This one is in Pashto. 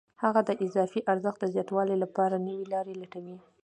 هغه د اضافي ارزښت د زیاتولو لپاره نورې لارې لټوي